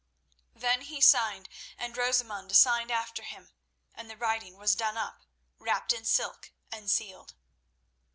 Then he signed, and Rosamund signed after him, and the writing was done up, wrapped in silk, and sealed.